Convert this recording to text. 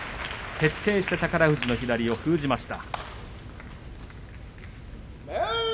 徹底して宝富士の左を封じました。